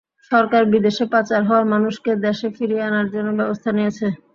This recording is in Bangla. সরকার বিদেশে পাচার হওয়া মানুষকে দেশে ফিরিয়ে আনার জন্য ব্যবস্থা নিয়েছে।